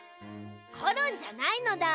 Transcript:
コロンじゃないのだ。